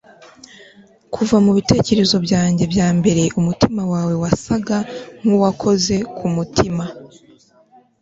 kuva mubitekerezo byanjye byambere umutima wawe wasaga nkuwakoze ku mutima